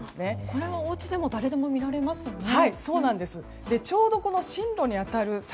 これは、おうちでも誰でも見られますね。